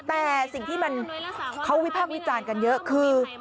แต่สิ่งที่มันเขาวิพากษ์วิจารณ์กันเยอะคือ